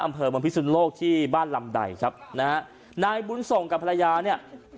อำเภอมพิสุนโลกที่บ้านลำใดครับนะฮะนายบุญส่งกับภรรยาเนี่ย